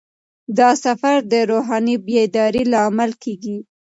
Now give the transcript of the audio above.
دا سفر د روحاني بیدارۍ لامل کیږي.